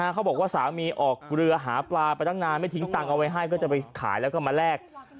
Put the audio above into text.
เขาบอกว่าสามีออกเรือหาปลาไปตั้งนานไม่ทิ้งตังค์เอาไว้ให้ก็จะไปขายแล้วก็มาแลก